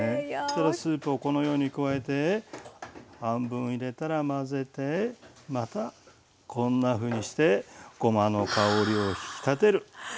このスープをこのように加えて半分入れたら混ぜてまたこんなふうにしてごまの香りを引き立てる。